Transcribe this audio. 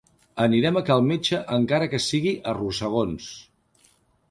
Anirem a cal metge encara que sigui a rossegons.